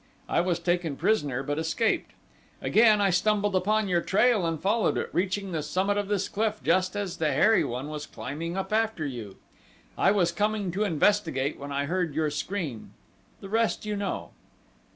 I was taken prisoner, but escaped. Again I stumbled upon your trail and followed it, reaching the summit of this cliff just as the hairy one was climbing up after you. I was coming to investigate when I heard your scream the rest you know."